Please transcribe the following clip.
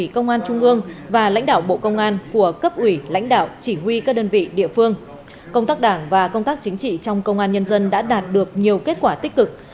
công tác đảng và công tác chính trị trong công an nhân dân đã đạt được nhiều kết quả tích cực